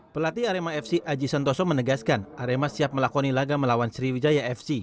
pelatih arema fc aji santoso menegaskan arema siap melakoni laga melawan sriwijaya fc